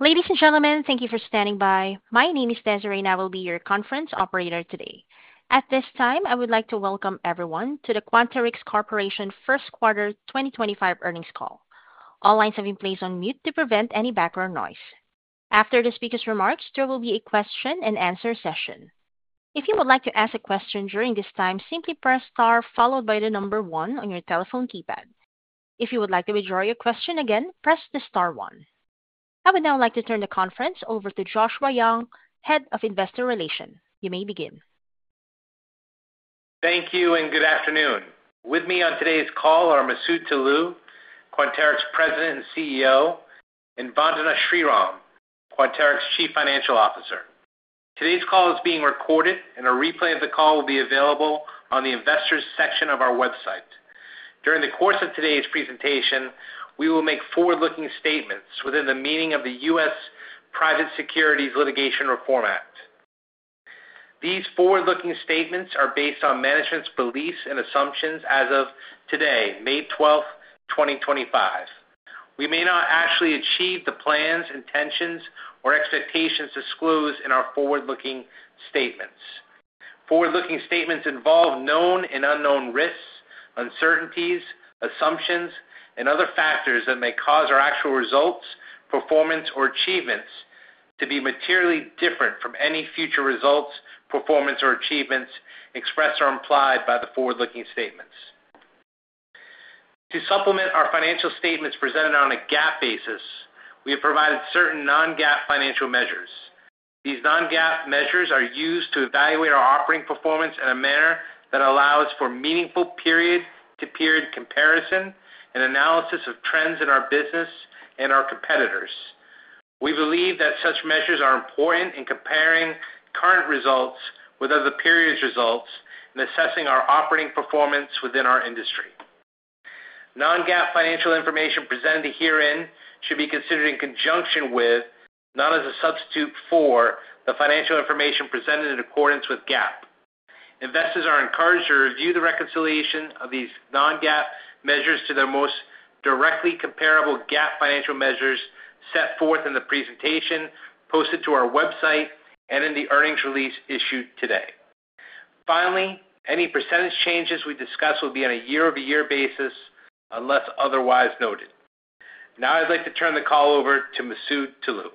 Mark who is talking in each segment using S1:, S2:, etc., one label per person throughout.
S1: Ladies and gentlemen, thank you for standing by. My name is Desiree, and I will be your conference operator today. At this time, I would like to welcome everyone to the Quanterix Corporation first quarter 2025 earnings call. All lines have been placed on mute to prevent any background noise. After the speaker's remarks, there will be a question-and-answer session. If you would like to ask a question during this time, simply press star followed by the number one on your telephone keypad. If you would like to withdraw your question again, press the star one. I would now like to turn the conference over to Joshua Young, Head of Investor Relations. You may begin.
S2: Thank you and good afternoon. With me on today's call are Masoud Toloue, Quanterix President and CEO, and Vandana Sriram, Quanterix Chief Financial Officer. Today's call is being recorded, and a replay of the call will be available on the investors' section of our website. During the course of today's presentation, we will make forward-looking statements within the meaning of the U.S. Private Securities Litigation Reform Act. These forward-looking statements are based on management's beliefs and assumptions as of today, May 12th, 2025. We may not actually achieve the plans, intentions, or expectations disclosed in our forward-looking statements. Forward-looking statements involve known and unknown risks, uncertainties, assumptions, and other factors that may cause our actual results, performance, or achievements to be materially different from any future results, performance, or achievements expressed or implied by the forward-looking statements. To supplement our financial statements presented on a GAAP basis, we have provided certain non-GAAP financial measures. These non-GAAP measures are used to evaluate our operating performance in a manner that allows for meaningful period-to-period comparison and analysis of trends in our business and our competitors. We believe that such measures are important in comparing current results with other periods' results and assessing our operating performance within our industry. Non-GAAP financial information presented herein should be considered in conjunction with, not as a substitute for, the financial information presented in accordance with GAAP. Investors are encouraged to review the reconciliation of these non-GAAP measures to their most directly comparable GAAP financial measures set forth in the presentation posted to our website and in the earnings release issued today. Finally, any percentage changes we discuss will be on a year-over-year basis unless otherwise noted. Now I'd like to turn the call over to Masoud Toloue.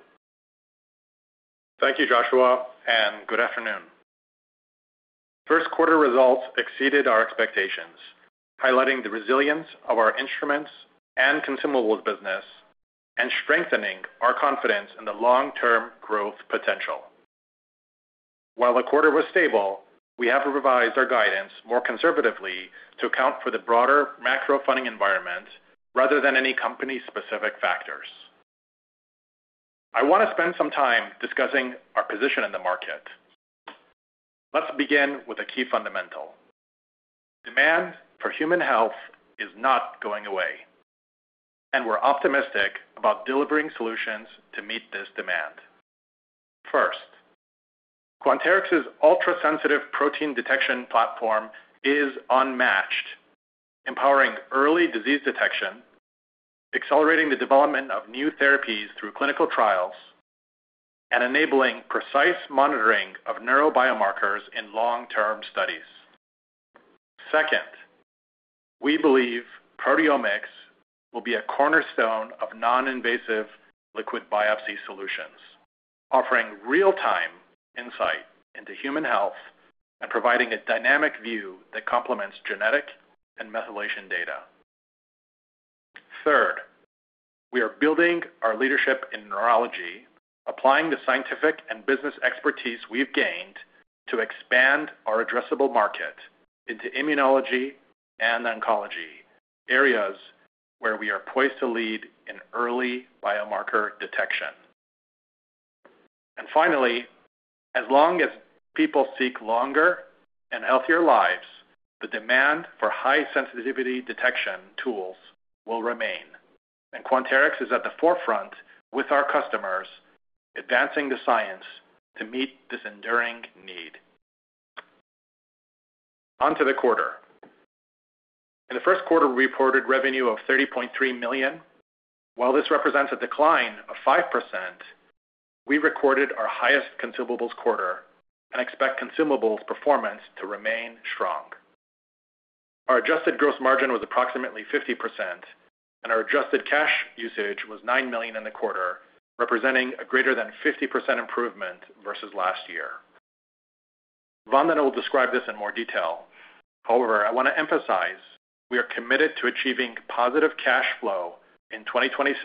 S3: Thank you, Joshua, and good afternoon. First quarter results exceeded our expectations, highlighting the resilience of our instruments and consumables business and strengthening our confidence in the long-term growth potential. While the quarter was stable, we have revised our guidance more conservatively to account for the broader macro funding environment rather than any company-specific factors. I want to spend some time discussing our position in the market. Let's begin with a key fundamental. Demand for human health is not going away, and we're optimistic about delivering solutions to meet this demand. First, Quanterix's ultra-sensitive protein detection platform is unmatched, empowering early disease detection, accelerating the development of new therapies through clinical trials, and enabling precise monitoring of neurobiomarkers in long-term studies. Second, we believe Proteomics will be a cornerstone of non-invasive liquid biopsy solutions, offering real-time insight into human health and providing a dynamic view that complements genetic and methylation data. Third, we are building our leadership in neurology, applying the scientific and business expertise we've gained to expand our addressable market into immunology and oncology, areas where we are poised to lead in early biomarker detection. Finally, as long as people seek longer and healthier lives, the demand for high-sensitivity detection tools will remain, and Quanterix is at the forefront with our customers, advancing the science to meet this enduring need. Onto the quarter. In the first quarter, we reported revenue of $30.3 million. While this represents a decline of 5%, we recorded our highest consumables quarter and expect consumables performance to remain strong. Our adjusted gross margin was approximately 50%, and our adjusted cash usage was $9 million in the quarter, representing a greater than 50% improvement versus last year. Vandana will describe this in more detail. However, I want to emphasize we are committed to achieving positive cash flow in 2026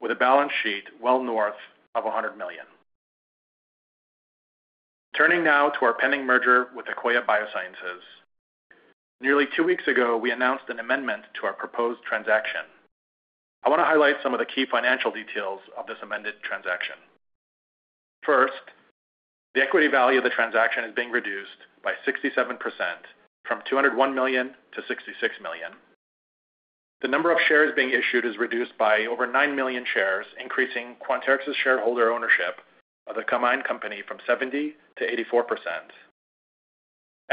S3: with a balance sheet well north of $100 million. Turning now to our pending merger with Akoya Biosciences. Nearly two weeks ago, we announced an amendment to our proposed transaction. I want to highlight some of the key financial details of this amended transaction. First, the equity value of the transaction is being reduced by 67% from $201 million to $66 million. The number of shares being issued is reduced by over 9 million shares, increasing Quanterix's shareholder ownership of the combined company from 70%-84%.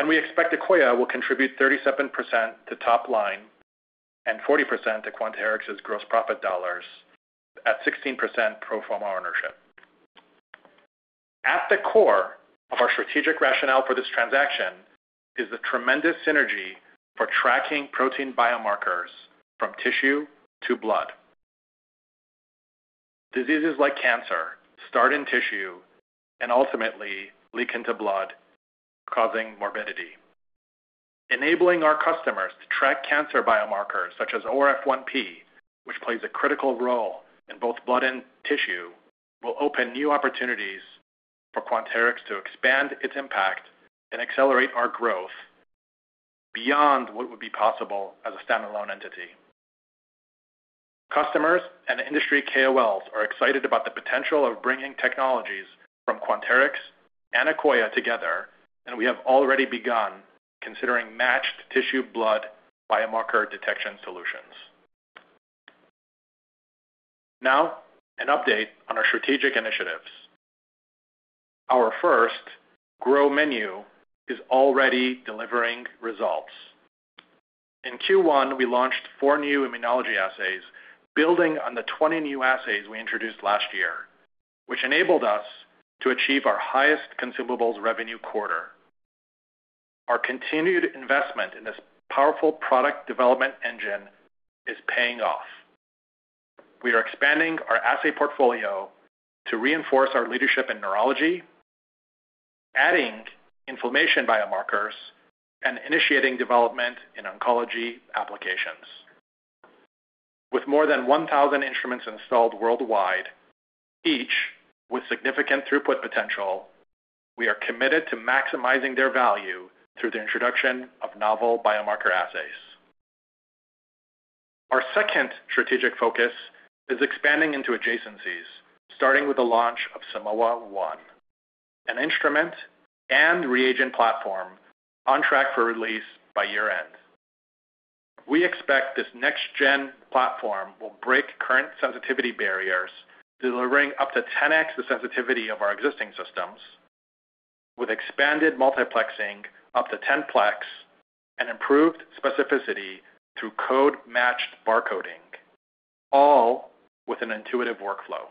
S3: We expect Akoya will contribute 37% to top line and 40% to Quanterix's gross profit dollars at 16% pro forma ownership. At the core of our strategic rationale for this transaction is the tremendous synergy for tracking protein biomarkers from tissue to blood. Diseases like cancer start in tissue and ultimately leak into blood, causing morbidity. Enabling our customers to track cancer biomarkers such as ORF1p, which plays a critical role in both blood and tissue, will open new opportunities for Quanterix to expand its impact and accelerate our growth beyond what would be possible as a standalone entity. Customers and industry KOLs are excited about the potential of bringing technologies from Quanterix and Akoya together, and we have already begun considering matched tissue-blood biomarker detection solutions. Now, an update on our strategic initiatives. Our first grow menu is already delivering results. In Q1, we launched four new immunology assays, building on the 20 new assays we introduced last year, which enabled us to achieve our highest consumables revenue quarter. Our continued investment in this powerful product development engine is paying off. We are expanding our assay portfolio to reinforce our leadership in neurology, adding inflammation biomarkers, and initiating development in oncology applications. With more than 1,000 instruments installed worldwide, each with significant throughput potential, we are committed to maximizing their value through the introduction of novel biomarker assays. Our second strategic focus is expanding into adjacencies, starting with the launch of Simoa ONE, an instrument and reagent platform on track for release by year-end. We expect this next-gen platform will break current sensitivity barriers, delivering up to 10x the sensitivity of our existing systems, with expanded multiplexing up to 10 plex and improved specificity through code-matched barcoding, all with an intuitive workflow.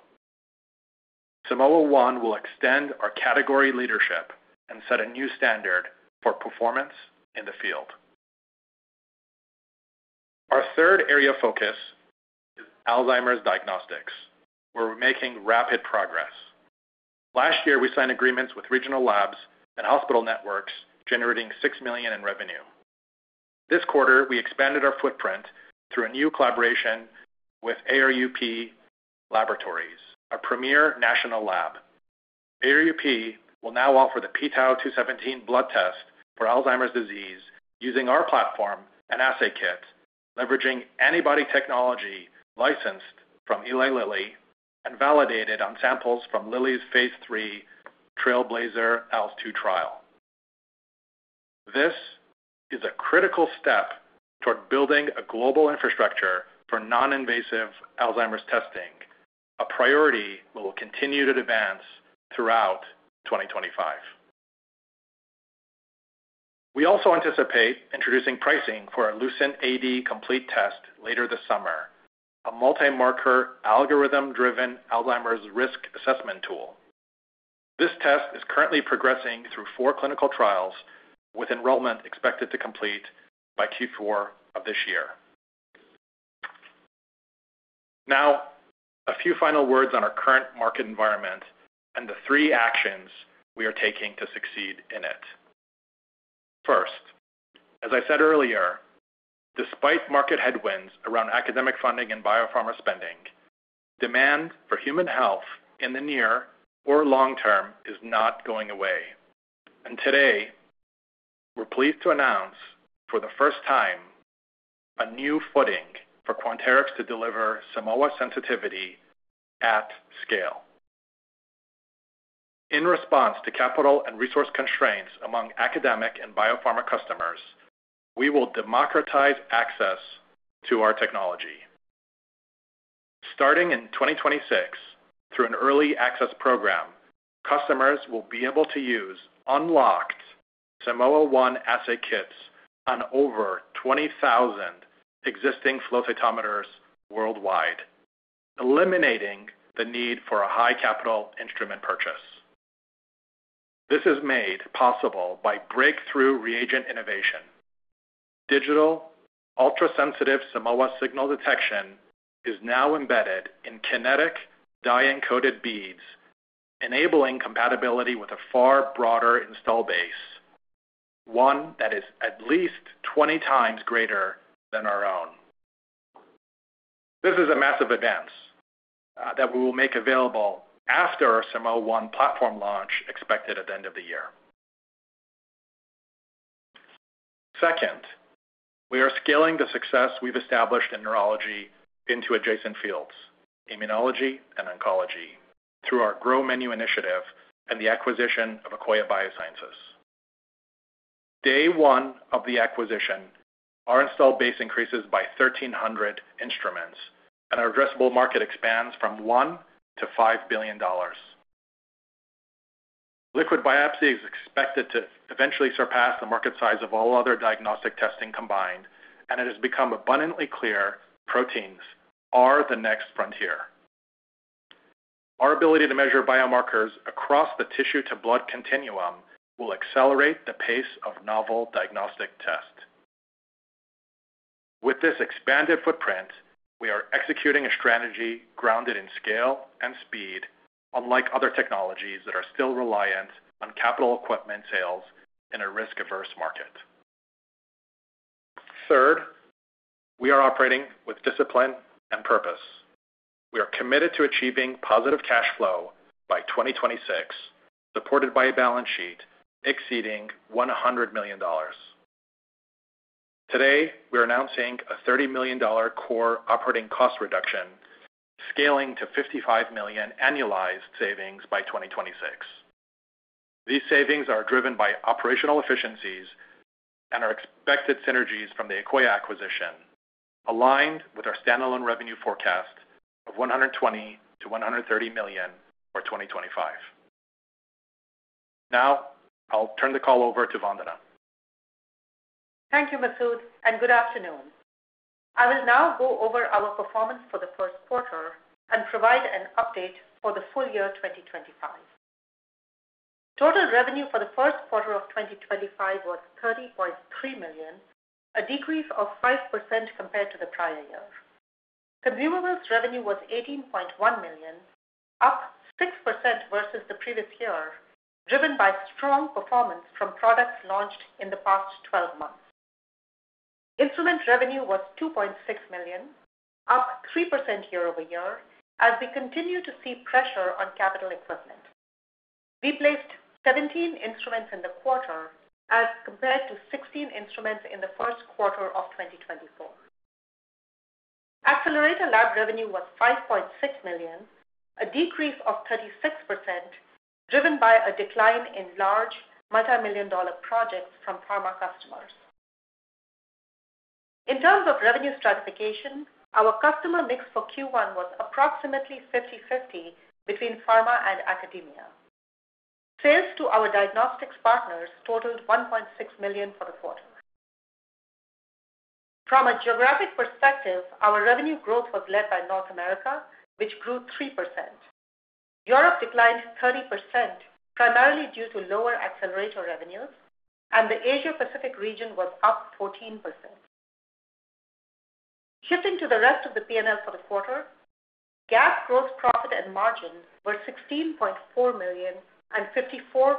S3: Simoa ONE will extend our category leadership and set a new standard for performance in the field. Our third area of focus is Alzheimer's diagnostics, where we're making rapid progress. Last year, we signed agreements with regional labs and hospital networks, generating $6 million in revenue. This quarter, we expanded our footprint through a new collaboration with ARUP Laboratories, a premier national lab. ARUP will now offer the pTau217 blood test for Alzheimer's disease using our platform and assay kit, leveraging antibody technology licensed from Eli Lilly and validated on samples from Lilly's phase 3 TRAILBLAZER-ALZ 2 trial. This is a critical step toward building a global infrastructure for non-invasive Alzheimer's testing, a priority we will continue to advance throughout 2025. We also anticipate introducing pricing for a LucentAD Complete test later this summer, a multi-marker algorithm-driven Alzheimer's risk assessment tool. This test is currently progressing through four clinical trials, with enrollment expected to complete by Q4 of this year. Now, a few final words on our current market environment and the three actions we are taking to succeed in it. First, as I said earlier, despite market headwinds around academic funding and biopharma spending, demand for human health in the near or long term is not going away. Today, we're pleased to announce for the first time a new footing for Quanterix to deliver Simoa sensitivity at scale. In response to capital and resource constraints among academic and biopharma customers, we will democratize access to our technology. Starting in 2026, through an early access program, customers will be able to use unlocked SimoaONE assay kits on over 20,000 existing flow cytometers worldwide, eliminating the need for a high capital instrument purchase. This is made possible by breakthrough reagent innovation. Digital ultra-sensitive Simoa signal detection is now embedded in kinetic dye-encoded beads, enabling compatibility with a far broader install base, one that is at least 20x greater than our own. This is a massive advance that we will make available after our Simoa ONE platform launch expected at the end of the year. Second, we are scaling the success we have established in neurology into adjacent fields, immunology and oncology, through our grow menu initiative and the acquisition of Akoya Biosciences. Day one of the acquisition, our install base increases by 1,300 instruments, and our addressable market expands from $1 billion-$5 billion. Liquid biopsy is expected to eventually surpass the market size of all other diagnostic testing combined, and it has become abundantly clear proteins are the next frontier. Our ability to measure biomarkers across the tissue-to-blood continuum will accelerate the pace of novel diagnostic tests. With this expanded footprint, we are executing a strategy grounded in scale and speed, unlike other technologies that are still reliant on capital equipment sales in a risk-averse market. Third, we are operating with discipline and purpose. We are committed to achieving positive cash flow by 2026, supported by a balance sheet exceeding $100 million. Today, we are announcing a $30 million core operating cost reduction, scaling to $55 million annualized savings by 2026. These savings are driven by operational efficiencies and are expected synergies from the Akoya acquisition, aligned with our standalone revenue forecast of $120 million-$130 million for 2025. Now, I'll turn the call over to Vandana.
S4: Thank you, Masoud, and good afternoon. I will now go over our performance for the first quarter and provide an update for the full year 2025. Total revenue for the first quarter of 2025 was $30.3 million, a decrease of 5% compared to the prior year. Consumables revenue was $18.1 million, up 6% versus the previous year, driven by strong performance from products launched in the past 12 months. Instrument revenue was $2.6 million, up 3% year-over-year, as we continue to see pressure on capital equipment. We placed 17 instruments in the quarter as compared to 16 instruments in the first quarter of 2024. Accelerator Lab revenue was $5.6 million, a decrease of 36%, driven by a decline in large multimillion-dollar projects from pharma customers. In terms of revenue stratification, our customer mix for Q1 was approximately 50/50 between pharma and academia. Sales to our diagnostics partners totaled $1.6 million for the quarter. From a geographic perspective, our revenue growth was led by North America, which grew 3%. Europe declined 30%, primarily due to lower accelerator revenues, and the Asia-Pacific region was up 14%. Shifting to the rest of the P&L for the quarter, GAAP gross profit and margin were $16.4 million and 54.1%,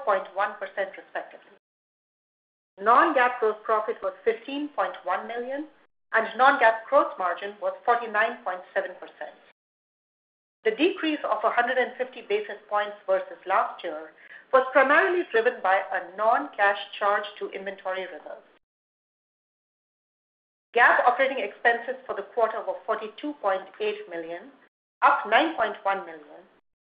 S4: respectively. Non-GAAP gross profit was $15.1 million, and non-GAAP gross margin was 49.7%. The decrease of 150 basis points versus last year was primarily driven by a non-cash charge to inventory reserve. GAAP operating expenses for the quarter were $42.8 million, up $9.1 million,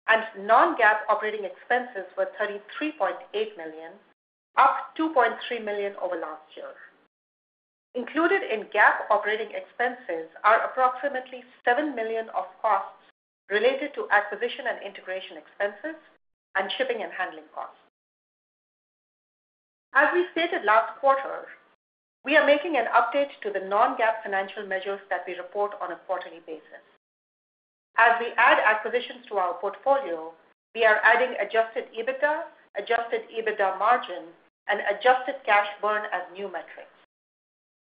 S4: and non-GAAP operating expenses were $33.8 million, up $2.3 million over last year. Included in GAAP operating expenses are approximately $7 million of costs related to acquisition and integration expenses and shipping and handling costs. As we stated last quarter, we are making an update to the non-GAAP financial measures that we report on a quarterly basis. As we add acquisitions to our portfolio, we are adding adjusted EBITDA, adjusted EBITDA margin, and adjusted cash burn as new metrics.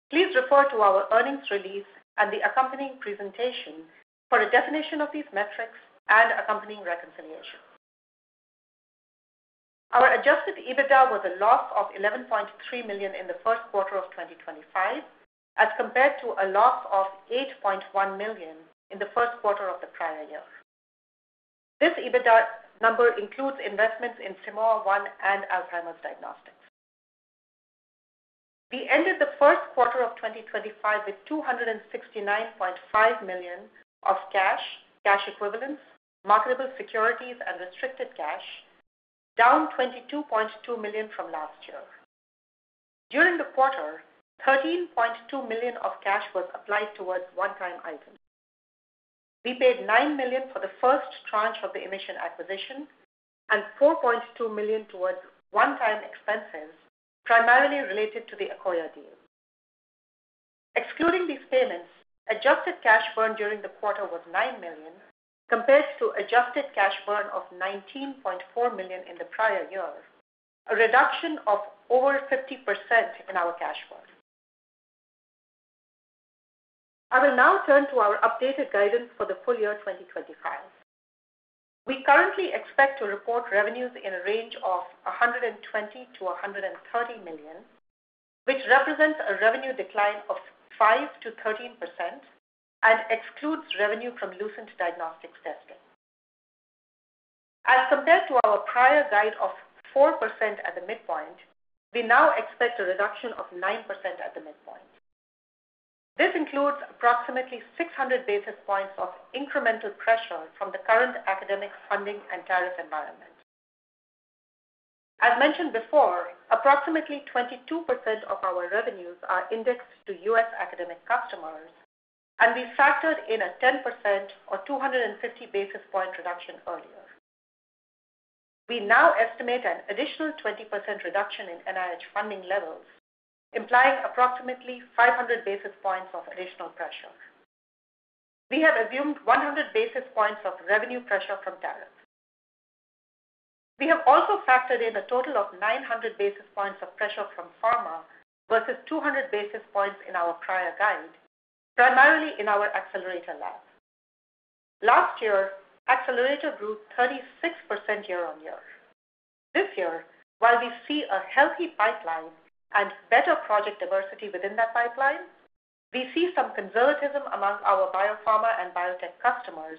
S4: Please refer to our earnings release and the accompanying presentation for a definition of these metrics and accompanying reconciliation. Our adjusted EBITDA was a loss of $11.3 million in the first quarter of 2025, as compared to a loss of $8.1 million in the first quarter of the prior year. This EBITDA number includes investments in Simoa ONE and Alzheimer's diagnostics. We ended the first quarter of 2025 with $269.5 million of cash, cash equivalents, marketable securities, and restricted cash, down $22.2 million from last year. During the quarter, $13.2 million of cash was applied towards one-time items. We paid $9 million for the first tranche of the emission acquisition and $4.2 million towards one-time expenses, primarily related to the Akoya deal. Excluding these payments, adjusted cash burn during the quarter was $9 million, compared to adjusted cash burn of $19.4 million in the prior year, a reduction of over 50% in our cash burn. I will now turn to our updated guidance for the full year 2025. We currently expect to report revenues in a range of $120 million-$130 million, which represents a revenue decline of 5%-13% and excludes revenue from LucentAD diagnostics testing. As compared to our prior guide of 4% at the midpoint, we now expect a reduction of 9% at the midpoint. This includes approximately 600 basis points of incremental pressure from the current academic funding and tariff environment. As mentioned before, approximately 22% of our revenues are indexed to U.S. Academic customers, and we factored in a 10% or 250 basis point reduction earlier. We now estimate an additional 20% reduction in NIH funding levels, implying approximately 500 basis points of additional pressure. We have assumed 100 basis points of revenue pressure from tariffs. We have also factored in a total of 900 basis points of pressure from pharma versus 200 basis points in our prior guide, primarily in our Accelerator Lab. Last year, Accelerator grew 36% year-on-year. This year, while we see a healthy pipeline and better project diversity within that pipeline, we see some conservatism among our biopharma and biotech customers,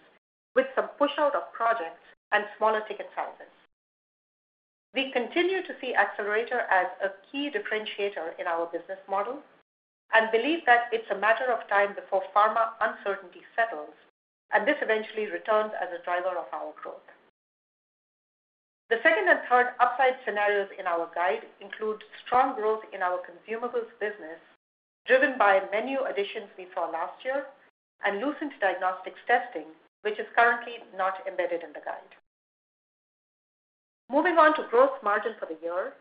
S4: with some push-out of projects and smaller ticket sizes. We continue to see Accelerator as a key differentiator in our business model and believe that it's a matter of time before pharma uncertainty settles, and this eventually returns as a driver of our growth. The second and third upside scenarios in our guide include strong growth in our consumables business, driven by menu additions we saw last year and LucentAD diagnostics testing, which is currently not embedded in the guide. Moving on to gross margin for the year,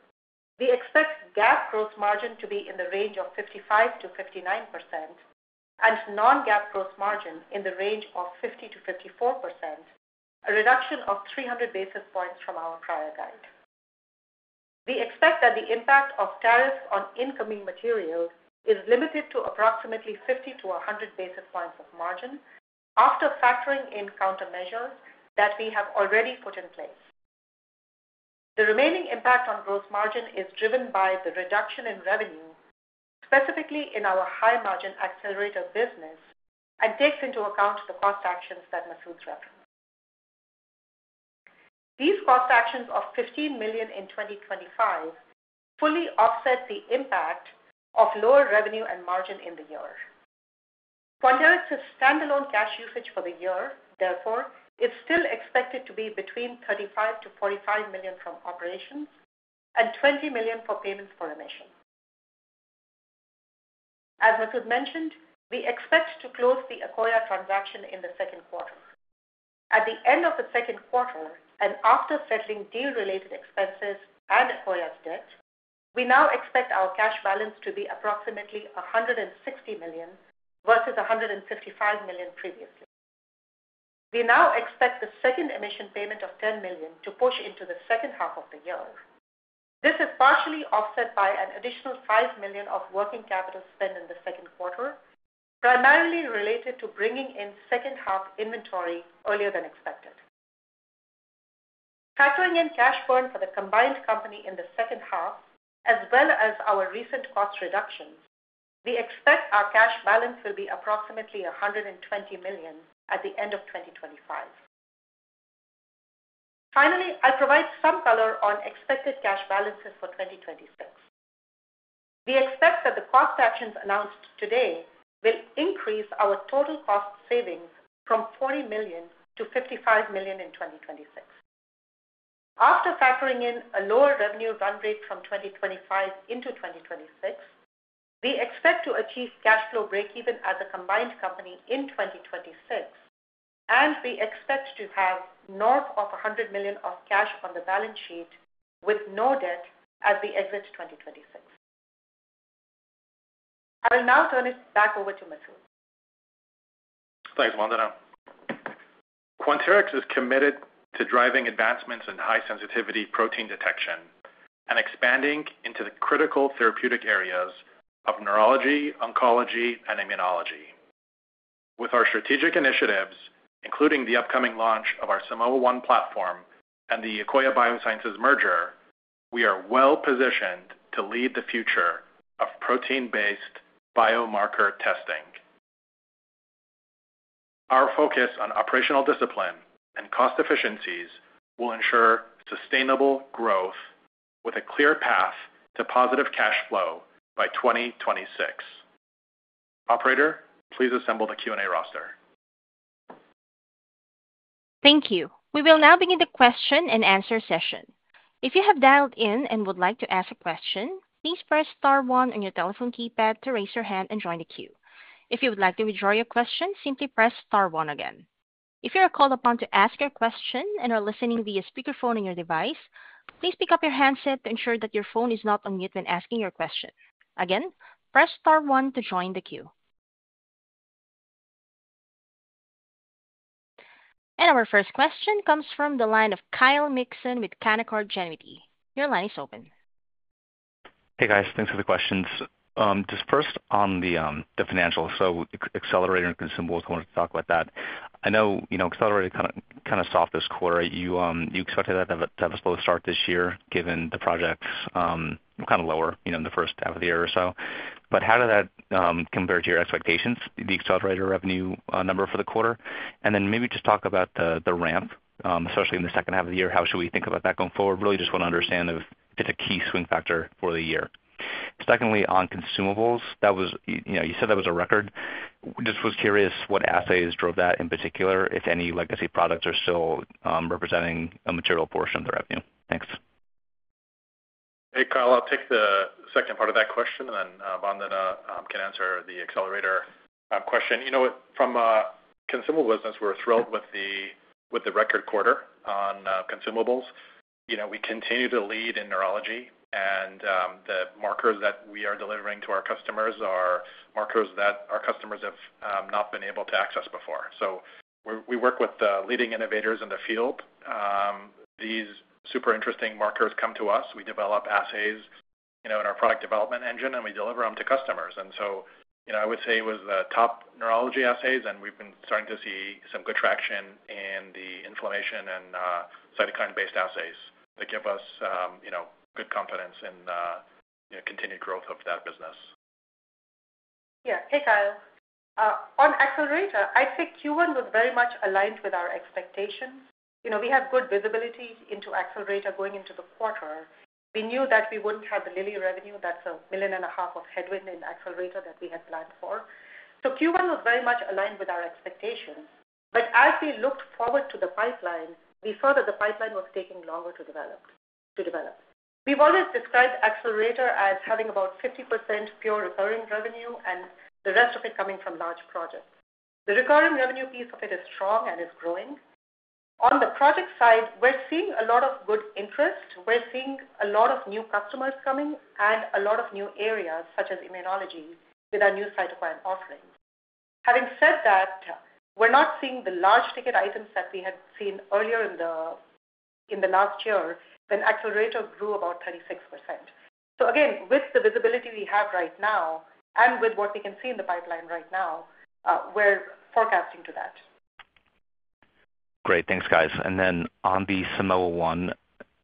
S4: we expect GAAP gross margin to be in the range of 55%-59% and non-GAAP gross margin in the range of 50%-54%, a reduction of 300 basis points from our prior guide. We expect that the impact of tariffs on incoming materials is limited to approximately 50-100 basis points of margin after factoring in countermeasures that we have already put in place. The remaining impact on gross margin is driven by the reduction in revenue, specifically in our high-margin Accelerator Lab business, and takes into account the cost actions that Masoud referenced. These cost actions of $15 million in 2025 fully offset the impact of lower revenue and margin in the year. Quanterix's standalone cash usage for the year, therefore, is still expected to be between $35 million-$45 million from operations and $20 million for payments for emission. As Masoud mentioned, we expect to close the Akoya transaction in the second quarter. At the end of the second quarter and after settling deal-related expenses and Akoya's debt, we now expect our cash balance to be approximately $160 million versus $155 million previously. We now expect the second emission payment of $10 million to push into the second half of the year. This is partially offset by an additional $5 million of working capital spend in the second quarter, primarily related to bringing in second-half inventory earlier than expected. Factoring in cash burn for the combined company in the second half, as well as our recent cost reductions, we expect our cash balance will be approximately $120 million at the end of 2025. Finally, I'll provide some color on expected cash balances for 2026. We expect that the cost actions announced today will increase our total cost savings from $40 million-$55 million in 2026. After factoring in a lower revenue run rate from 2025 into 2026, we expect to achieve cash flow breakeven as a combined company in 2026, and we expect to have north of $100 million of cash on the balance sheet with no debt as we exit 2026. I will now turn it back over to Masoud.
S3: Thanks, Vandana. Quanterix is committed to driving advancements in high-sensitivity protein detection and expanding into the critical therapeutic areas of neurology, oncology, and immunology. With our strategic initiatives, including the upcoming launch of our Simoa ONE platform and the Akoya Biosciences merger, we are well-positioned to lead the future of protein-based biomarker testing. Our focus on operational discipline and cost efficiencies will ensure sustainable growth with a clear path to positive cash flow by 2026. Operator, please assemble the Q&A roster.
S1: Thank you. We will now begin the question and answer session. If you have dialed in and would like to ask a question, please press Star one on your telephone keypad to raise your hand and join the queue. If you would like to withdraw your question, simply press Star one again. If you are called upon to ask your question and are listening via speakerphone on your device, please pick up your handset to ensure that your phone is not on mute when asking your question. Again, press Star one to join the queue. Our first question comes from the line of Kyle Mikson with Canaccord Genuity. Your line is open.
S5: Hey, guys. Thanks for the questions. Just first on the financials, so accelerator and consumables, I wanted to talk about that. I know accelerator kind of soft this quarter. You expected that to have a slow start this year given the projects were kind of lower in the first half of the year or so. How did that compare to your expectations, the accelerator revenue number for the quarter? Maybe just talk about the ramp, especially in the second half of the year. How should we think about that going forward? Really just want to understand if it's a key swing factor for the year. Secondly, on consumables, you said that was a record. Just was curious what assays drove that in particular, if any legacy products are still representing a material portion of the revenue. Thanks.
S3: Hey, Kyle. I'll take the second part of that question, and then Vandana can answer the accelerator question. You know what? From consumable business, we're thrilled with the record quarter on consumables. We continue to lead in neurology, and the markers that we are delivering to our customers are markers that our customers have not been able to access before. We work with leading innovators in the field. These super interesting markers come to us. We develop assays in our product development engine, and we deliver them to customers. I would say it was the top neurology assays, and we've been starting to see some good traction in the inflammation and cytokine-based assays that give us good confidence in continued growth of that business.
S4: Yeah. Hey, Kyle. On accelerator, I'd say Q1 was very much aligned with our expectations. We have good visibility into accelerator going into the quarter. We knew that we wouldn't have the Lilly revenue. That's $1.5 million of headwind in accelerator that we had planned for. Q1 was very much aligned with our expectations. As we looked forward to the pipeline, we saw that the pipeline was taking longer to develop. We've always described accelerator as having about 50% pure recurring revenue and the rest of it coming from large projects. The recurring revenue piece of it is strong and is growing. On the project side, we're seeing a lot of good interest. We're seeing a lot of new customers coming and a lot of new areas such as immunology with our new cytokine offering. Having said that, we're not seeing the large ticket items that we had seen earlier in the last year when Accelerator Lab grew about 36%. Again, with the visibility we have right now and with what we can see in the pipeline right now, we're forecasting to that.
S5: Great. Thanks, guys. Then on the Simoa ONE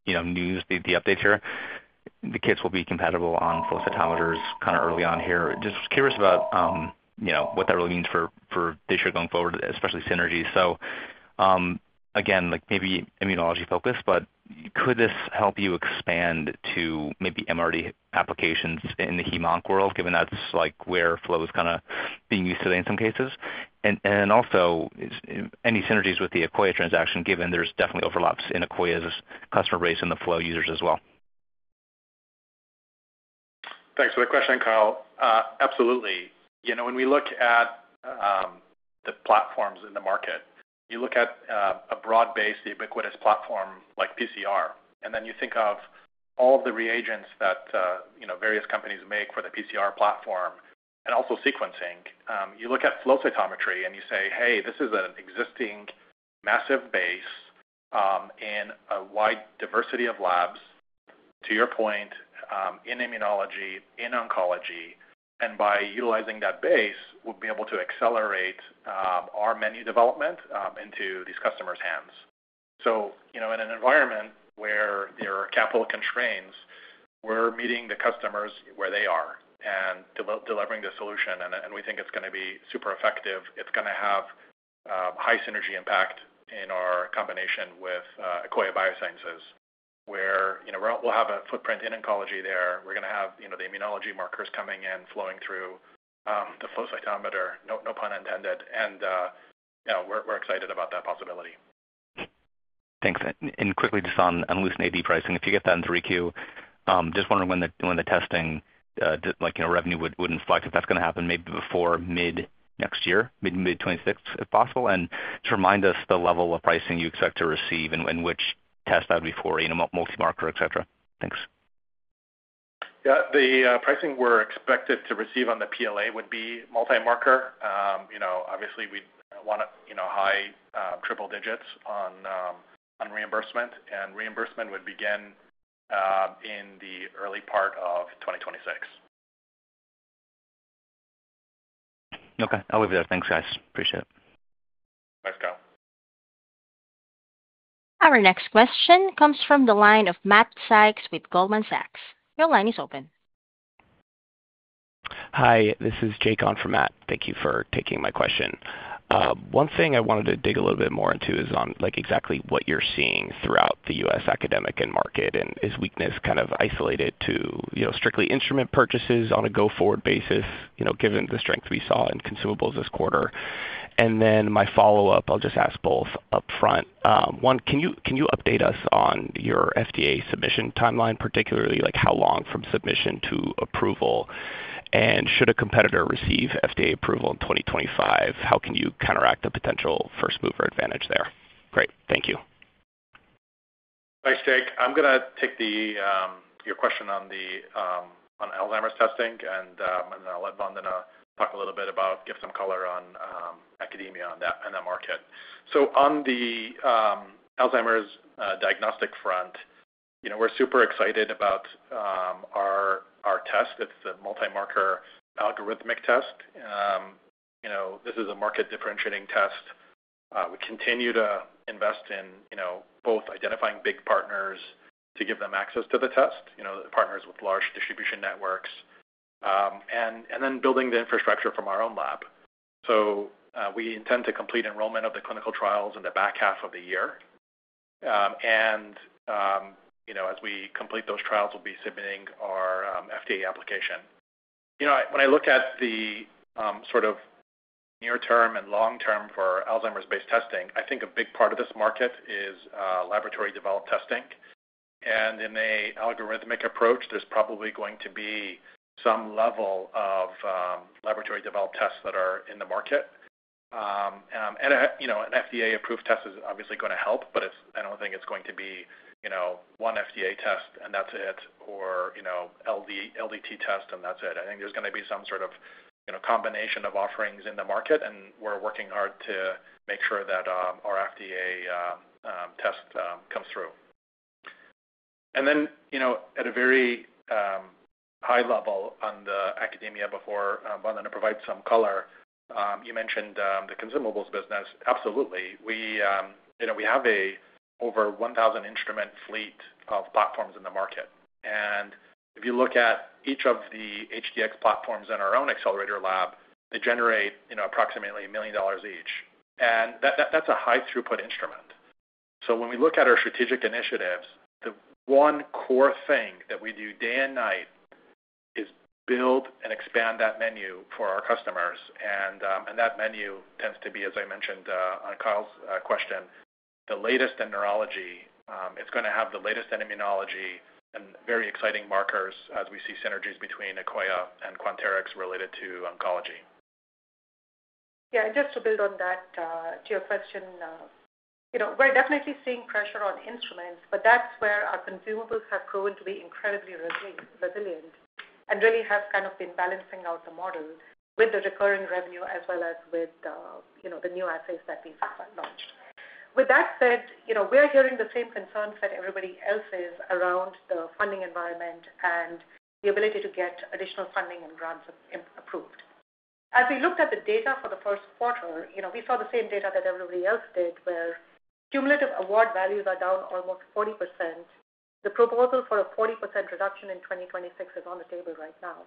S5: news, the update here, the kits will be compatible on flow cytometers kind of early on here. Just curious about what that really means for this year going forward, especially synergy. Again, maybe immunology focus, but could this help you expand to maybe MRD applications in the heme-onc world, given that's where flow is kind of being used today in some cases? Also, any synergies with the Akoya transaction, given there's definitely overlaps in Akoya's customer base and the flow users as well?
S3: Thanks for the question, Kyle. Absolutely. When we look at the platforms in the market, you look at a broad-based ubiquitous platform like PCR, and then you think of all of the reagents that various companies make for the PCR platform and also sequencing. You look at flow cytometry and you say, "Hey, this is an existing massive base in a wide diversity of labs," to your point, "in immunology, in oncology," and by utilizing that base, we'll be able to accelerate our menu development into these customers' hands. In an environment where there are capital constraints, we're meeting the customers where they are and delivering the solution. We think it's going to be super effective. It's going to have high synergy impact in our combination with Akoya Biosciences, where we'll have a footprint in oncology there. We're going to have the immunology markers coming in, flowing through the flow cytometer, no pun intended. We are excited about that possibility.
S5: Thanks. Quickly, just on LucentAD pricing, if you get that into re-queue, just wondering when the testing revenue would inflect, if that is going to happen maybe before mid-next year, mid-2026, if possible. Just remind us the level of pricing you expect to receive and which test that would be for, multimarker, etc. Thanks.
S3: Yeah. The pricing we're expected to receive on the PLA would be multimarker. Obviously, we want high triple digits on reimbursement, and reimbursement would begin in the early part of 2026.
S5: Okay. I'll leave it there. Thanks, guys. Appreciate it.
S3: Thanks, Kyle.
S1: Our next question comes from the line of Matt Sykes with Goldman Sachs. Your line is open.
S6: Hi. This is Jake on for Matt. Thank you for taking my question. One thing I wanted to dig a little bit more into is on exactly what you're seeing throughout the U.S. academic and market, and is weakness kind of isolated to strictly instrument purchases on a go-forward basis, given the strength we saw in consumables this quarter? My follow-up, I'll just ask both upfront. One, can you update us on your FDA submission timeline, particularly how long from submission to approval? Should a competitor receive FDA approval in 2025, how can you counteract the potential first-mover advantage there? Great. Thank you.
S3: Thanks, Jake. I'm going to take your question on Alzheimer's testing, and then I'll let Vandana talk a little bit about, give some color on academia on that market. On the Alzheimer's diagnostic front, we're super excited about our test. It's the multimarker algorithmic test. This is a market differentiating test. We continue to invest in both identifying big partners to give them access to the test, partners with large distribution networks, and then building the infrastructure from our own lab. We intend to complete enrollment of the clinical trials in the back half of the year. As we complete those trials, we'll be submitting our FDA application. When I look at the sort of near-term and long-term for Alzheimer's-based testing, I think a big part of this market is laboratory-developed testing. In an algorithmic approach, there's probably going to be some level of laboratory-developed tests that are in the market. An FDA-approved test is obviously going to help, but I don't think it's going to be one FDA test and that's it, or LDT test and that's it. I think there's going to be some sort of combination of offerings in the market, and we're working hard to make sure that our FDA test comes through. At a very high level on the academia before Vandana provides some color. You mentioned the consumables business. Absolutely. We have an over 1,000-instrument fleet of platforms in the market. If you look at each of the HD-- platforms in our own Accelerator Lab, they generate approximately $1 million each. That's a high-throughput instrument. When we look at our strategic initiatives, the one core thing that we do day and night is build and expand that menu for our customers. That menu tends to be, as I mentioned on Kyle's question, the latest in neurology. It's going to have the latest in immunology and very exciting markers as we see synergies between Akoya and Quanterix related to oncology.
S4: Yeah. Just to build on that, to your question, we're definitely seeing pressure on instruments, but that's where our consumables have proven to be incredibly resilient and really have kind of been balancing out the model with the recurring revenue as well as with the new assays that we've launched. With that said, we are hearing the same concerns that everybody else is around the funding environment and the ability to get additional funding and grants approved. As we looked at the data for the first quarter, we saw the same data that everybody else did, where cumulative award values are down almost 40%. The proposal for a 40% reduction in 2026 is on the table right now.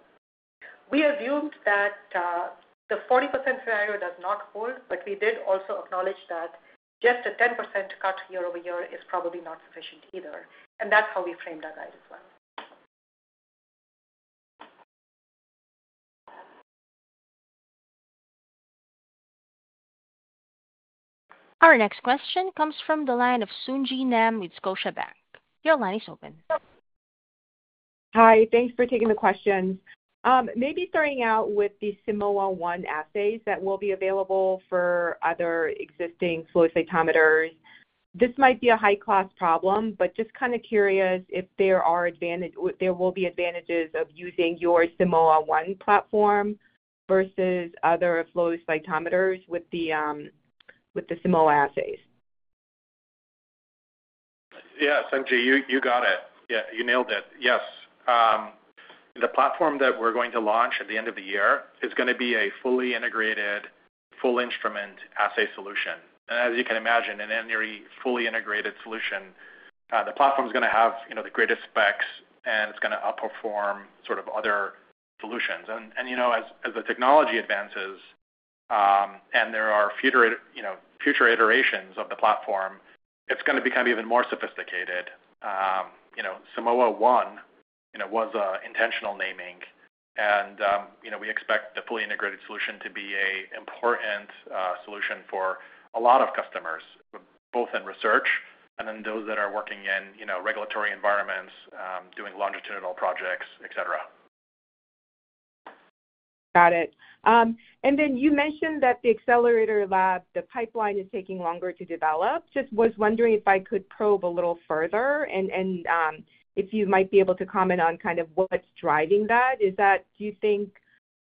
S4: We assumed that the 40% scenario does not hold, but we did also acknowledge that just a 10% cut year-over-year is probably not sufficient either. That is how we framed our guide as well.
S1: Our next question comes from the line of Sung Ji Nam with Scotiabank. Your line is open.
S7: Hi. Thanks for taking the questions. Maybe starting out with the Simoa ONE assays that will be available for other existing flow cytometers. This might be a high-class problem, but just kind of curious if there will be advantages of using your Simoa ONE platform versus other flow cytometers with the Simoa assays.
S3: Yeah. Thank you. You got it. Yeah. You nailed it. Yes. The platform that we're going to launch at the end of the year is going to be a fully integrated, full-instrument assay solution. As you can imagine, in any fully integrated solution, the platform is going to have the greatest specs, and it's going to outperform sort of other solutions. As the technology advances and there are future iterations of the platform, it's going to become even more sophisticated. Simoa ONE was an intentional naming, and we expect the fully integrated solution to be an important solution for a lot of customers, both in research and then those that are working in regulatory environments, doing longitudinal projects, etc.
S7: Got it. You mentioned that the Accelerator Lab, the pipeline is taking longer to develop. Just was wondering if I could probe a little further and if you might be able to comment on kind of what's driving that. Do you think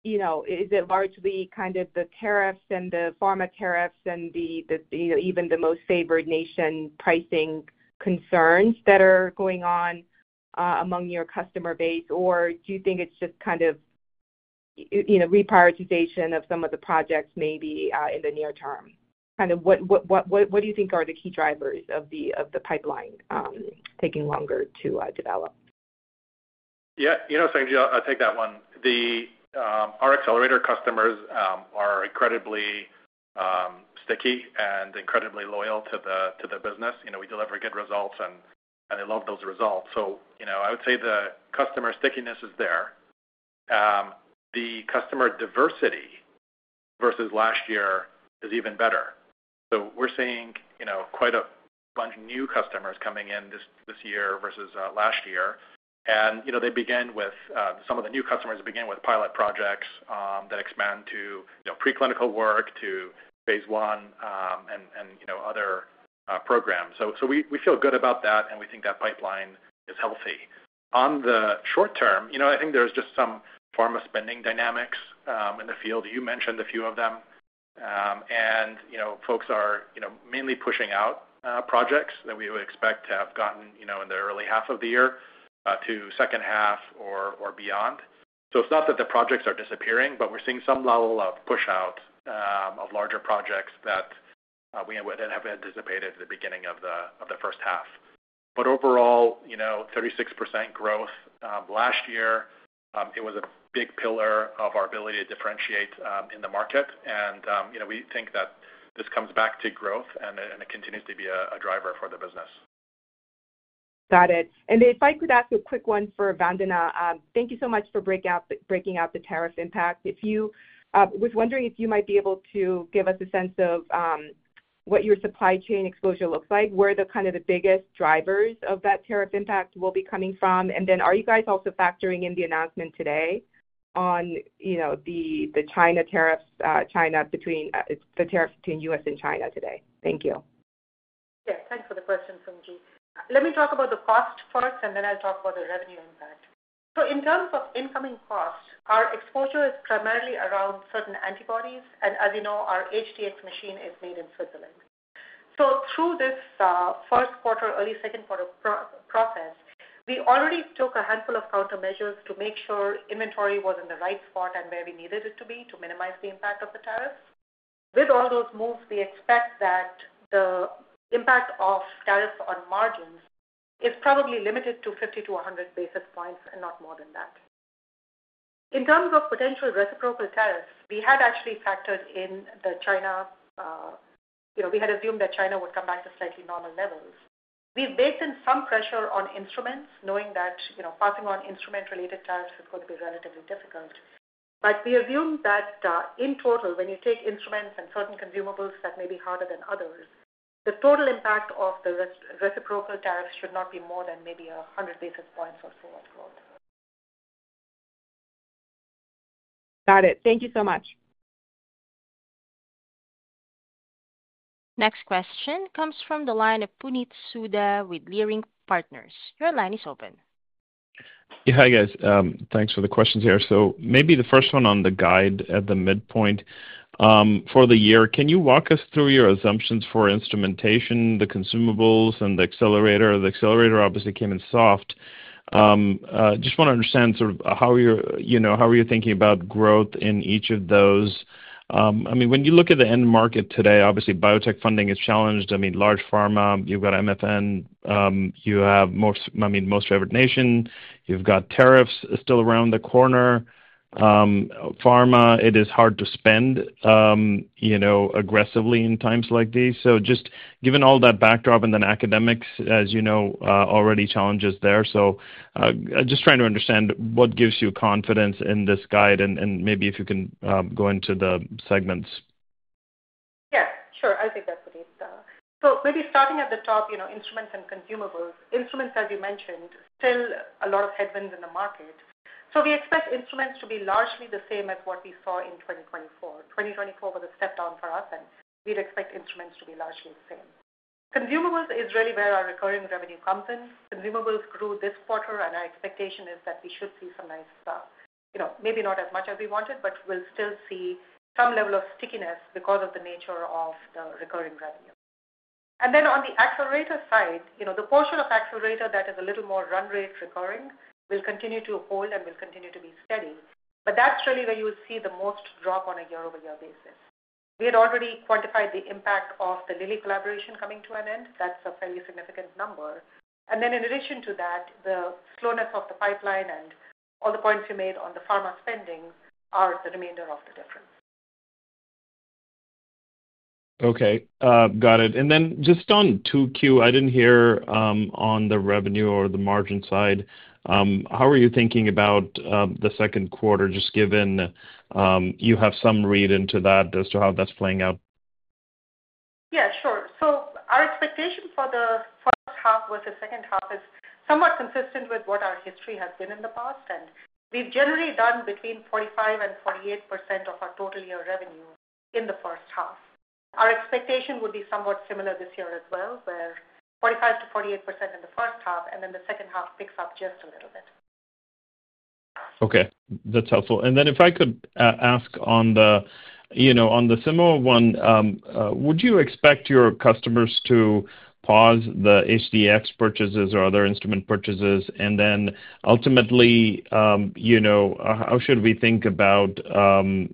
S7: is it largely kind of the tariffs and the pharma tariffs and even the Most Favored Nation pricing concerns that are going on among your customer base, or do you think it's just kind of reprioritization of some of the projects maybe in the near term? Kind of what do you think are the key drivers of the pipeline taking longer to develop?
S3: Yeah. Thank you. I'll take that one. Our Accelerator Lab customers are incredibly sticky and incredibly loyal to the business. We deliver good results, and they love those results. I would say the customer stickiness is there. The customer diversity versus last year is even better. We're seeing quite a bunch of new customers coming in this year versus last year. Some of the new customers begin with pilot projects that expand to preclinical work to phase one and other programs. We feel good about that, and we think that pipeline is healthy. In the short term, I think there's just some pharma spending dynamics in the field. You mentioned a few of them. Folks are mainly pushing out projects that we would expect to have gotten in the early half of the year to second half or beyond. It's not that the projects are disappearing, but we're seeing some level of push-out of larger projects that we had anticipated at the beginning of the first half. Overall, 36% growth last year, it was a big pillar of our ability to differentiate in the market. We think that this comes back to growth, and it continues to be a driver for the business.
S7: Got it. If I could ask a quick one for Vandana, thank you so much for breaking out the tariff impact. I was wondering if you might be able to give us a sense of what your supply chain exposure looks like, where kind of the biggest drivers of that tariff impact will be coming from. Are you guys also factoring in the announcement today on the China tariffs between the U.S. and China today? Thank you.
S4: Yes. Thanks for the question, Sung Ji. Let me talk about the cost first, and then I'll talk about the revenue impact. In terms of incoming costs, our exposure is primarily around certain antibodies. As you know, our HDx machine is made in Switzerland. Through this first quarter, early second quarter process, we already took a handful of countermeasures to make sure inventory was in the right spot and where we needed it to be to minimize the impact of the tariffs. With all those moves, we expect that the impact of tariffs on margins is probably limited to 50-100 basis points and not more than that. In terms of potential reciprocal tariffs, we had actually factored in the China. We had assumed that China would come back to slightly normal levels. We've baked in some pressure on instruments, knowing that passing on instrument-related tariffs is going to be relatively difficult. We assume that in total, when you take instruments and certain consumables that may be harder than others, the total impact of the reciprocal tariffs should not be more than maybe 100 basis points or so of growth.
S7: Got it. Thank you so much.
S1: Next question comes from the line of Puneet Souda with Leerink Partners. Your line is open.
S8: Yeah. Hi, guys. Thanks for the questions here. Maybe the first one on the guide at the midpoint for the year, can you walk us through your assumptions for instrumentation, the consumables, and the accelerator? The accelerator obviously came in soft. Just want to understand sort of how you're thinking about growth in each of those. I mean, when you look at the end market today, obviously, biotech funding is challenged. I mean, large pharma, you've got MFN, you have most favored nation, you've got tariffs still around the corner. Pharma, it is hard to spend aggressively in times like these. Just given all that backdrop and then academics, as you know, already challenges there. Just trying to understand what gives you confidence in this guide and maybe if you can go into the segments.
S4: Yeah. Sure. I think that's the case. Maybe starting at the top, instruments and consumables. Instruments, as you mentioned, still a lot of headwinds in the market. We expect instruments to be largely the same as what we saw in 2024. 2024 was a step down for us, and we'd expect instruments to be largely the same. Consumables is really where our recurring revenue comes in. Consumables grew this quarter, and our expectation is that we should see some nice stuff. Maybe not as much as we wanted, but we'll still see some level of stickiness because of the nature of the recurring revenue. On the accelerator side, the portion of accelerator that is a little more run rate recurring will continue to hold and will continue to be steady. That's really where you'll see the most drop on a year-over-year basis. We had already quantified the impact of the Lilly collaboration coming to an end. That is a fairly significant number. In addition to that, the slowness of the pipeline and all the points you made on the pharma spending are the remainder of the difference.
S8: Okay. Got it. On 2Q, I did not hear on the revenue or the margin side. How are you thinking about the second quarter, just given you have some read into that as to how that is playing out?
S4: Yeah. Sure. So our expectation for the first half versus second half is somewhat consistent with what our history has been in the past. And we've generally done between 45%48% of our total year revenue in the first half. Our expectation would be somewhat similar this year as well, where 45%-48% in the first half, and then the second half picks up just a little bit.
S8: Okay. That's helpful. If I could ask on the similar one, would you expect your customers to pause the HDx purchases or other instrument purchases? Ultimately, how should we think about the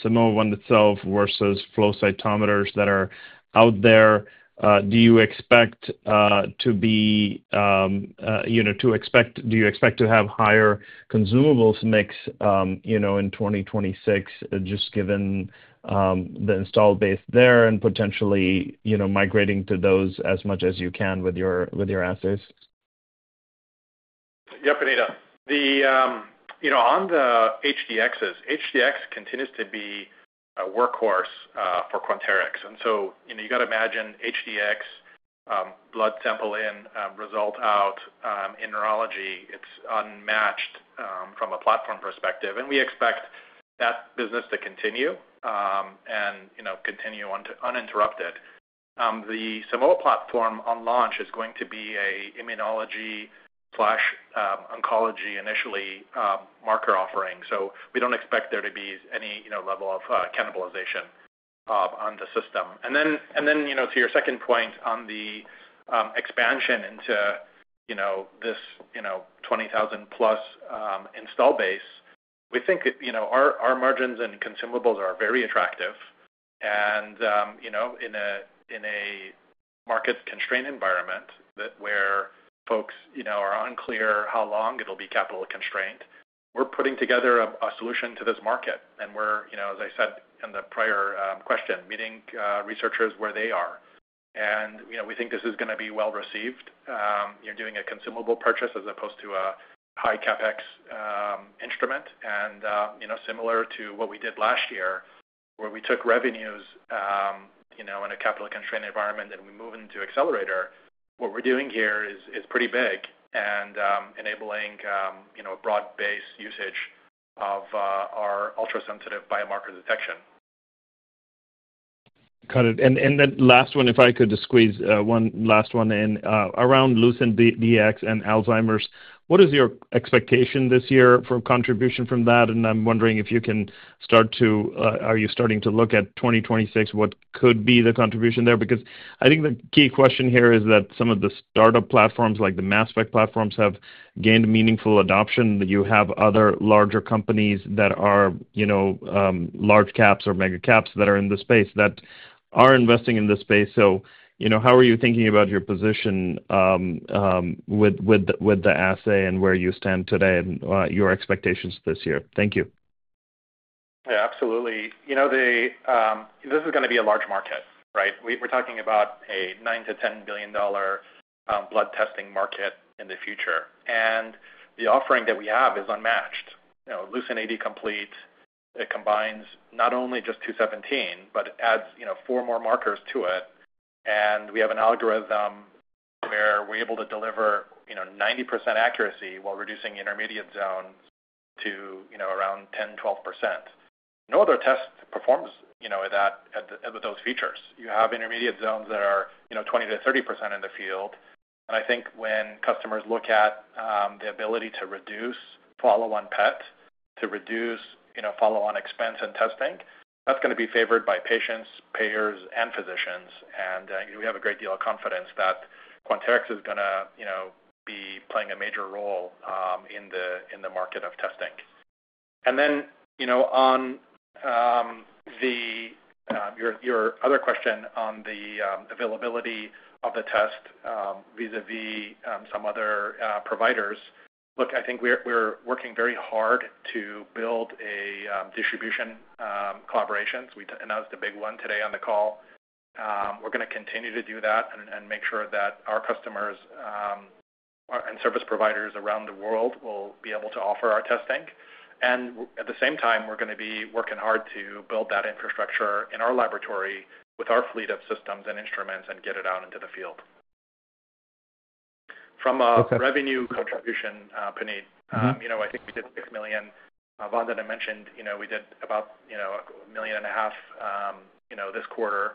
S8: Simoa ONEne itself versus flow cytometers that are out there? Do you expect to have higher consumables mix in 2026, just given the installed base there and potentially migrating to those as much as you can with your assays?
S3: Yep, Anita. On the HDxs, HDx continues to be a workhorse for Quanterix. You got to imagine HDx blood sample in, result out in neurology. It's unmatched from a platform perspective. We expect that business to continue and continue uninterrupted. The Simoa platform on launch is going to be an immunology/oncology initially marker offering. We don't expect there to be any level of cannibalization on the system. To your second point on the expansion into this 20,000+ install base, we think our margins and consumables are very attractive. In a market constraint environment where folks are unclear how long it'll be capital constrained, we're putting together a solution to this market. As I said in the prior question, we're meeting researchers where they are. We think this is going to be well received. You're doing a consumable purchase as opposed to a high CapEx instrument. Similar to what we did last year, where we took revenues in a capital constraint environment and we moved into Accelerator, what we're doing here is pretty big and enabling a broad-based usage of our ultra-sensitive biomarker detection.
S8: Got it. And then last one, if I could squeeze one last one in around LucentAD Complete and Alzheimer's, what is your expectation this year for contribution from that? And I'm wondering if you can start to, are you starting to look at 2026, what could be the contribution there? Because I think the key question here is that some of the startup platforms like the MassVec platforms have gained meaningful adoption. You have other larger companies that are large caps or mega caps that are in the space that are investing in this space. So how are you thinking about your position with the assay and where you stand today and your expectations this year? Thank you.
S3: Yeah. Absolutely. This is going to be a large market, right? We're talking about a $9 billion-$10 billion blood testing market in the future. And the offering that we have is unmatched. LucentAD Complete, it combines not only just 217, but it adds four more markers to it. And we have an algorithm where we're able to deliver 90% accuracy while reducing intermediate zones to around 10%-12%. No other test performs with those features. You have intermediate zones that are 20%-30% in the field. I think when customers look at the ability to reduce follow-on PET, to reduce follow-on expense and testing, that's going to be favored by patients, payers, and physicians. We have a great deal of confidence that Quanterix is going to be playing a major role in the market of testing. On your other question on the availability of the test vis-à-vis some other providers, look, I think we're working very hard to build a distribution collaboration. That was the big one today on the call. We're going to continue to do that and make sure that our customers and service providers around the world will be able to offer our testing. At the same time, we're going to be working hard to build that infrastructure in our laboratory with our fleet of systems and instruments and get it out into the field. From a revenue contribution, Puneet, I think we did $6 million. Vandana mentioned we did about $1.5 million this quarter.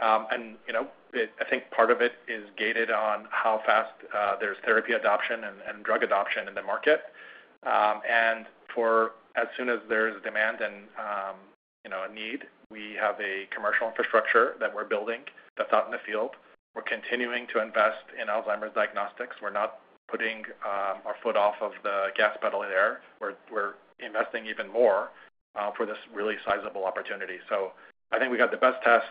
S3: I think part of it is gated on how fast there's therapy adoption and drug adoption in the market. For as soon as there's demand and a need, we have a commercial infrastructure that we're building that's out in the field. We're continuing to invest in Alzheimer's diagnostics. We're not putting our foot off of the gas pedal there. We're investing even more for this really sizable opportunity. I think we got the best test.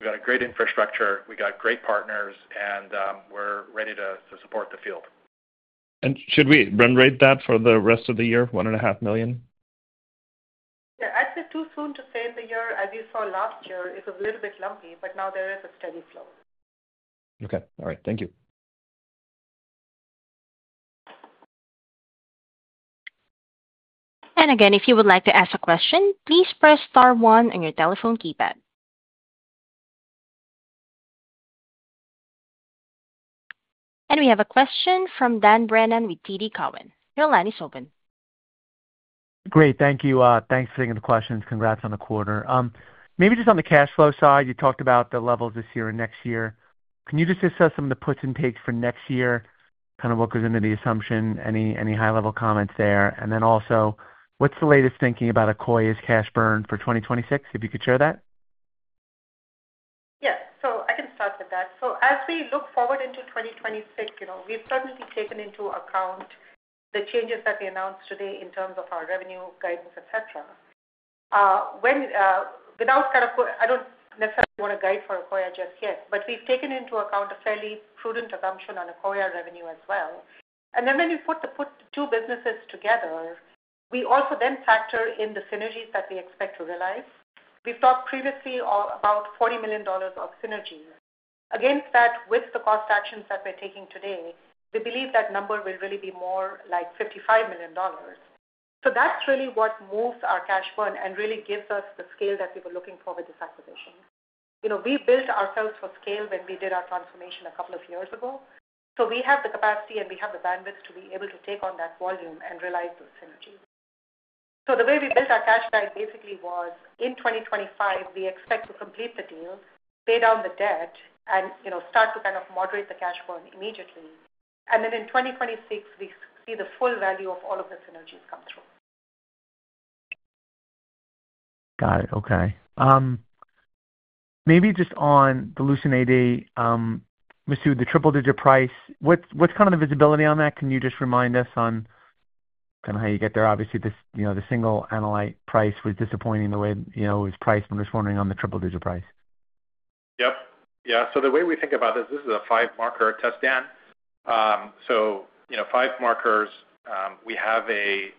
S3: We got a great infrastructure. We got great partners, and we're ready to support the field.
S8: Should we run rate that for the rest of the year, $1.5 million?
S4: Yeah. I'd say too soon to say in the year. As you saw last year, it was a little bit lumpy, but now there is a steady flow.
S8: Okay. All right. Thank you.
S1: If you would like to ask a question, please press star one on your telephone keypad. We have a question from Dan Brennan with TD Cowen. Your line is open.
S9: Great. Thank you. Thanks for taking the questions. Congrats on the quarter. Maybe just on the cash flow side, you talked about the levels this year and next year. Can you just assess some of the puts and takes for next year, kind of what goes into the assumption, any high-level comments there? Also, what's the latest thinking about Akoya's cash burn for 2026, if you could share that?
S4: Yes. I can start with that. As we look forward into 2026, we've certainly taken into account the changes that we announced today in terms of our revenue guidance, etc. I don't necessarily want to guide for Akoya just yet, but we've taken into account a fairly prudent assumption on Akoya revenue as well. When you put the two businesses together, we also then factor in the synergies that we expect to realize. We've talked previously about $40 million of synergy. Against that, with the cost actions that we're taking today, we believe that number will really be more like $55 million. That is really what moves our cash burn and really gives us the scale that we were looking for with this acquisition. We built ourselves for scale when we did our transformation a couple of years ago. We have the capacity and we have the bandwidth to be able to take on that volume and realize those synergies. The way we built our cash guide basically was in 2025, we expect to complete the deal, pay down the debt, and start to kind of moderate the cash burn immediately. In 2026, we see the full value of all of the synergies come through.
S9: Got it. Okay. Maybe just on the LucentAD, Masoud, the triple-digit price, what's kind of the visibility on that? Can you just remind us on kind of how you get there? Obviously, the single analyte price was disappointing the way it was priced when we're just wondering on the triple-digit price.
S3: Yep. Yeah. The way we think about this, this is a five-marker test stand. Five markers, we have an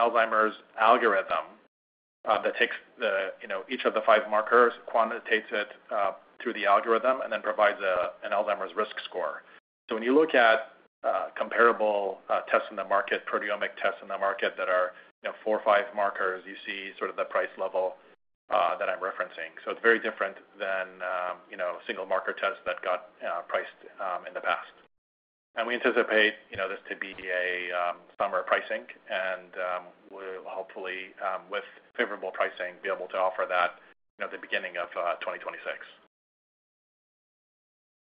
S3: Alzheimer's algorithm that takes each of the five markers, quantitates it through the algorithm, and then provides an Alzheimer's risk score. When you look at comparable tests in the market, proteomic tests in the market that are four or five markers, you see sort of the price level that I'm referencing. It is very different than single marker tests that got priced in the past. We anticipate this to be a summer pricing. We'll hopefully, with favorable pricing, be able to offer that at the beginning of 2026.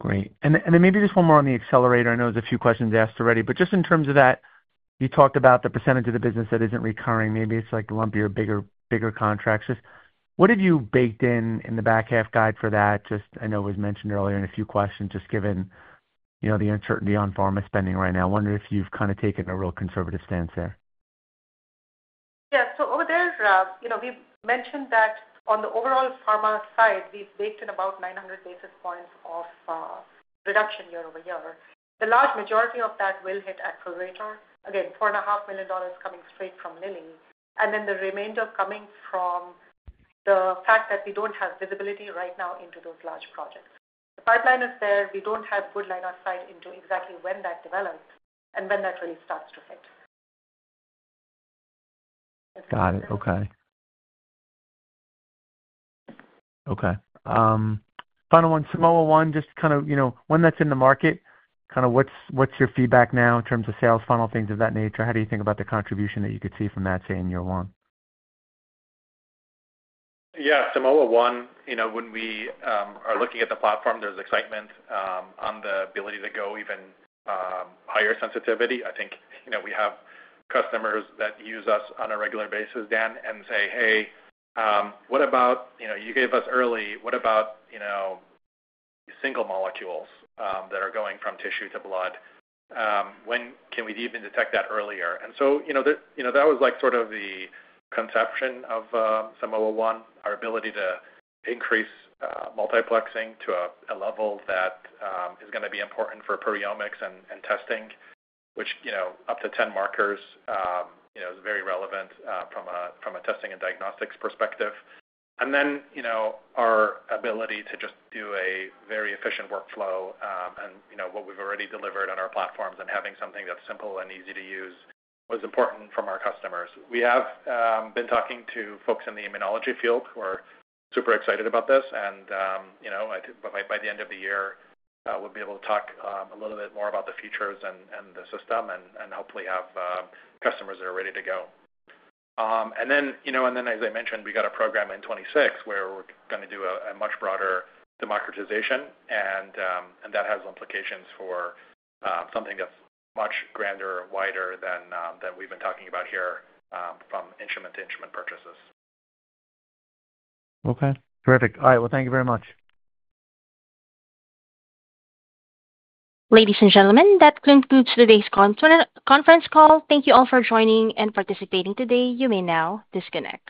S9: Great. Maybe just one more on the accelerator. I know there are a few questions asked already. Just in terms of that, you talked about the percentage of the business that is not recurring. Maybe it is like lumpier, bigger contracts. What have you baked in in the back half guide for that? I know it was mentioned earlier in a few questions, just given the uncertainty on pharma spending right now. I wonder if you have kind of taken a real conservative stance there.
S4: Yeah. Over there, we've mentioned that on the overall pharma side, we've baked in about 900 basis points of reduction year over year. The large majority of that will hit Accelerator. Again, $4.5 million coming straight from Lilly. The remainder is coming from the fact that we do not have visibility right now into those large projects. The pipeline is there. We do not have good line of sight into exactly when that develops and when that really starts to hit.
S3: Got it. Okay. Okay. Final one. Simoa ONE just kind of when that's in the market, kind of what's your feedback now in terms of sales, final things of that nature? How do you think about the contribution that you could see from that, say, in year one? Yeah. Simoa ONE, when we are looking at the platform, there's excitement on the ability to go even higher sensitivity. I think we have customers that use us on a regular basis, Dan, and say, "Hey, what about you gave us early? What about single molecules that are going from tissue to blood? When can we even detect that earlier?" That was sort of the conception of Simoa ONE, our ability to increase multiplexing to a level that is going to be important for proteomics and testing, which up to 10 markers is very relevant from a testing and diagnostics perspective. Our ability to just do a very efficient workflow and what we've already delivered on our platforms and having something that's simple and easy to use was important from our customers. We have been talking to folks in the immunology field. We're super excited about this. By the end of the year, we'll be able to talk a little bit more about the features and the system and hopefully have customers that are ready to go. As I mentioned, we got a program in 2026 where we're going to do a much broader democratization. That has implications for something that's much grander and wider than we've been talking about here from instrument to instrument purchases.
S9: Okay. All right. Thank you very much.
S1: Ladies and gentlemen, that concludes today's conference call. Thank you all for joining and participating today. You may now disconnect.